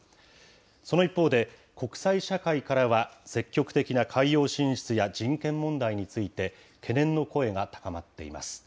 その一方で、国際社会からは積極的な海洋進出や人権問題について、懸念の声が高まっています。